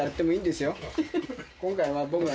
今回は僕は。